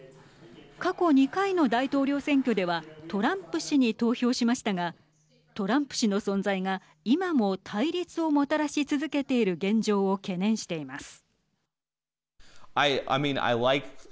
過去２回の大統領選挙ではトランプ氏に投票しましたがトランプ氏の存在が今も対立をもたらし続けている現状を懸念しています。